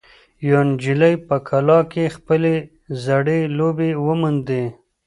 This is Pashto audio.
یوه نجلۍ په کلا کې خپلې زړې لوبې وموندې.